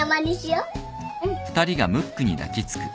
うん。